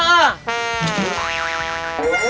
ไหนมันต้องเป็นยังไงอย่างไรบ้าง